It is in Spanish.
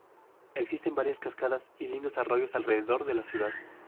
Existen varias cascadas y lindos arroyos alrededor de la ciudad.